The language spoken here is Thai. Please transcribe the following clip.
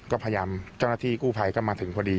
ก็พยายามเจ้าหน้าที่กู้ภัยก็มาถึงพอดี